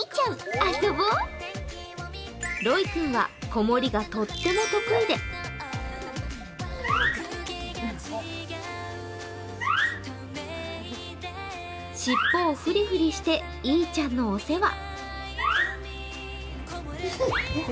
ロイ君は子守がとっても得意で尻尾をふりふりしていーちゃんのお世話。